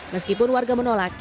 meskipun warga menolak